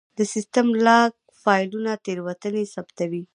د سیسټم لاګ فایلونه تېروتنې ثبتوي.